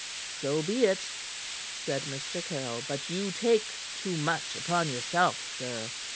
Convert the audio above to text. "So be it," said Mr. Caryll. "But you take too much upon yourself, sir.